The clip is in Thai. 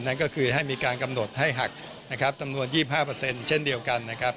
นั่นก็คือให้มีการกำหนดให้หักตำนวน๒๕เช่นเดียวกัน